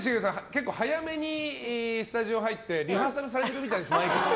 結構早めにスタジオに入ってリハーサルされてるみたいです。